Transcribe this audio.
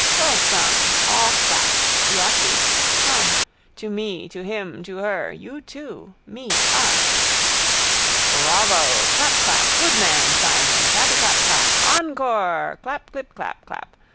Well sung. All clapped. She ought to. Come. To me, to him, to her, you too, me, us. —Bravo! Clapclap. Good man, Simon. Clappyclapclap. Encore! Clapclipclap clap.